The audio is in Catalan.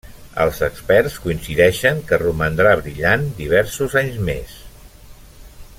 Els experts coincideixen que romandrà brillant diversos anys més.